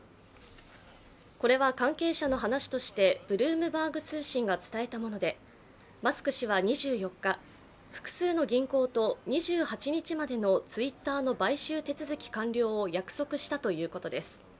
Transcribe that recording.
これは関係者の話としてブルームバーグ通信が伝えたものでマスク氏は２４日、複数の銀行と、２８日までのツイッターの買収手続き完了を約束したということです。